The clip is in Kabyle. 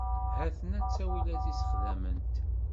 Ha-ten-an ttawilat i sexdament.